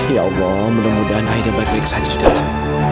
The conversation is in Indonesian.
ya allah mudah mudahan aida balik balik saja di dalam